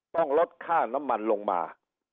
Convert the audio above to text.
ต้องลดค่าน้ำมันลงมา